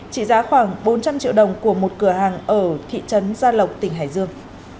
trị giá khoảng bốn trăm linh triệu đồng của một cửa hàng ở thị trấn gia lộc tỉnh hải dương